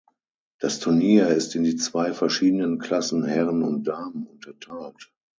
Das Turnier ist in die zwei verschiedenen Klassen „Herren“ und „Damen“ unterteilt.